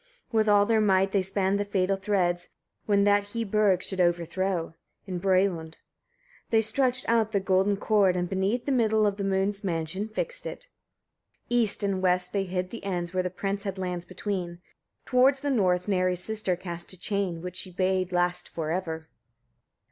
3. With all their might they span the fatal threads, when that [he] burghs should overthrow in Bralund. They stretched out the golden cord, and beneath the middle of the moon's mansion fixed it. 4. East and west they hid the ends, where the prince had lands between; towards the north Neri's sister cast a chain, which she bade last for ever.